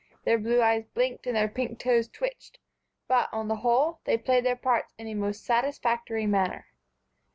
Their blue eyes blinked and their pink toes twitched; but, on the whole, they played their parts in a most satisfactory manner.